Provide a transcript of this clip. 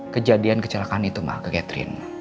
kejadian kecelakaan itu mah ke catherine